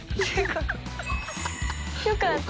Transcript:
よかった。